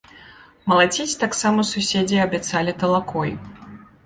Малаціць таксама суседзі абяцаліся талакой.